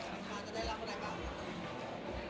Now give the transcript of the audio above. คำว่าจะได้รับคำใดบ้างอย่างไรนะครับ